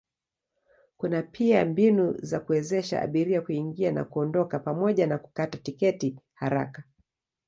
Kuna pia mbinu za kuwezesha abiria kuingia na kuondoka pamoja na kukata tiketi haraka.